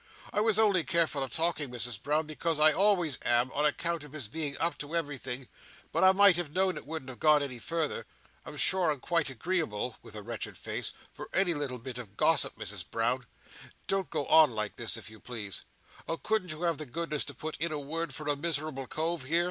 —I was only careful of talking, Misses Brown, because I always am, on account of his being up to everything; but I might have known it wouldn't have gone any further. I'm sure I'm quite agreeable," with a wretched face, "for any little bit of gossip, Misses Brown. Don't go on like this, if you please. Oh, couldn't you have the goodness to put in a word for a miserable cove, here?"